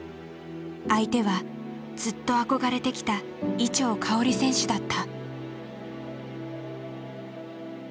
相手はずっと憧れてきた伊調馨選手だった。